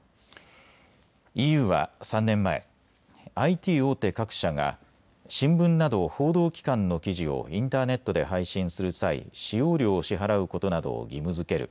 ＥＵは３年前、ＩＴ大手各社が新聞など報道機関の記事をインターネットで配信する際、使用料を支払うことなどを義務づける